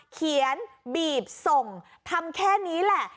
เขียนบีบส่งทำแค่นี้แหละ